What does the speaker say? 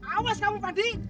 awas kamu pak di